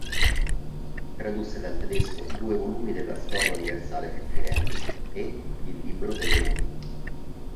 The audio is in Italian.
Tradusse dal tedesco due volumi della Storia Universale Feltrinelli e "“Il libro delle rupi.